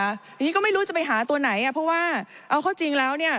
อันนี้ก็ไม่รู้จะไปหาตัวไหนเพราะว่าเอาเข้าจริงแล้วเนี่ย